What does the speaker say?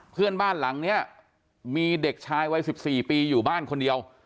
บ้านหลังนี้มีเด็กชายวัย๑๔ปีอยู่บ้านคนเดียว